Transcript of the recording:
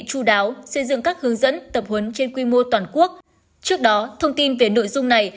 chú đáo xây dựng các hướng dẫn tập huấn trên quy mô toàn quốc trước đó thông tin về nội dung này